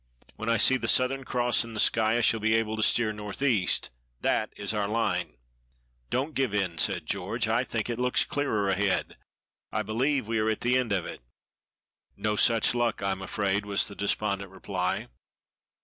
When I see the Southern Cross in the sky I shall be able to steer northeast. That is our line." "Don't give in," said George; "I think it looks clearer ahead. I believe we are at the end of it." "No such luck, I am afraid," was the despondent reply.